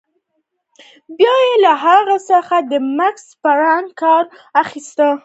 بیا يې له هغه څخه د مګس پران کار اخیست.